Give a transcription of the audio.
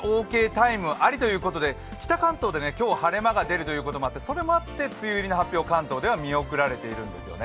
タイムありということで北関東で今日、晴れ間が出るということもあってそれもあって、梅雨入りの発表、関東では見送られているんですよね。